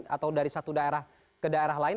atau dari satu daerah ke daerah lain